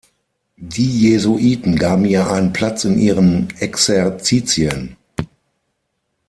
Die Jesuiten gaben ihr einen Platz in ihren Exerzitien.